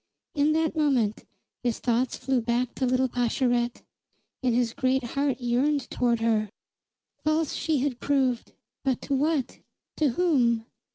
In that moment his thoughts flew back to little Pascherette, and his great heart yearned toward her. False she had proved, but to what? To whom?